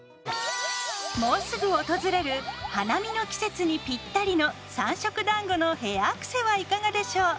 もうすぐ訪れる花見の季節にぴったりの「三色だんご」のヘアアクセはいかがでしょう。